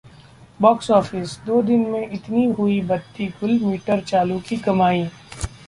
Box Office: दो दिन में इतनी हुई बत्ती गुल मीटर चालू की कमाई